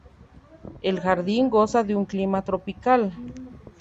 El jardín goza de un clima tropical.